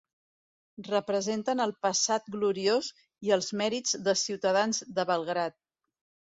Representen el passat gloriós i els mèrits dels ciutadans de Belgrad.